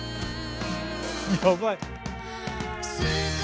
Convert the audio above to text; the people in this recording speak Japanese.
やばい。